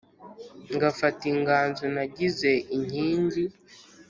ngafata inganzo nagize inkingi